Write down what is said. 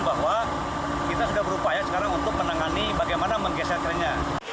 kita sudah berupaya sekarang untuk menangani bagaimana menggeser krennya